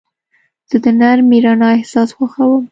زه د نرمې رڼا احساس خوښوم.